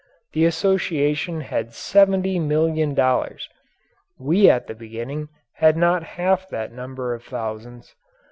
The association had seventy million dollars we at the beginning had not half that number of thousands.